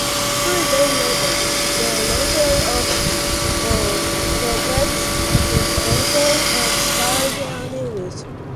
Three days later, she launched four torpedoes at a tanker and scored one hit.